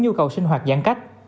nhu cầu sinh hoạt giãn cách